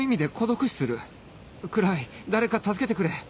暗い誰か助けてくれ